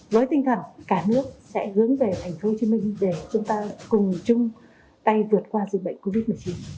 với tinh thần cả nước sẽ hướng về thành phố hồ chí minh để chúng ta cùng chung tay vượt qua dịch bệnh covid một mươi chín